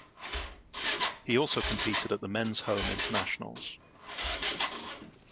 He also competed at the Men’s Home Internationals.